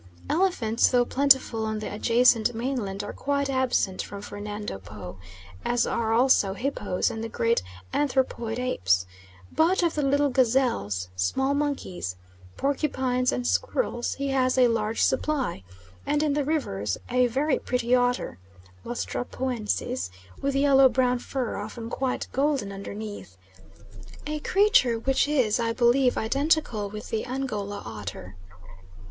Elephants, though plentiful on the adjacent mainland, are quite absent from Fernando Po, as are also hippos and the great anthropoid apes; but of the little gazelles, small monkeys, porcupines, and squirrels he has a large supply, and in the rivers a very pretty otter (Lutra poensis) with yellow brown fur often quite golden underneath; a creature which is, I believe, identical with the Angola otter.